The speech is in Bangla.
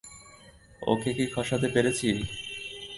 ওকে কি খসাতে পেরেছি?